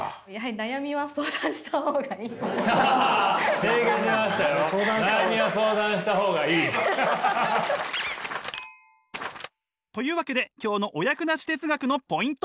「悩みは相談した方がいい」。というわけで今日のお役立ち哲学のポイント。